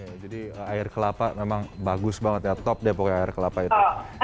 oke jadi air kelapa memang bagus banget ya top deh pokoknya air kelapa itu